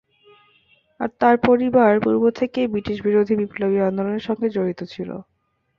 তার পরিবার পূর্ব থেকেই ব্রিটিশ বিরোধী বিপ্লবী আন্দোলনের সঙ্গে জড়িত ছিল।